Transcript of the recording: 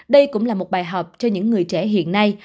đây cũng là một bài học cho những người trẻ hiện nay